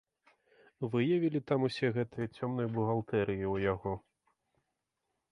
Выявілі там усе гэтыя цёмныя бухгалтэрыі ў яго.